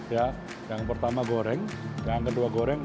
ya yang pertama goreng yang kedua goreng